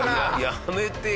やめてよ。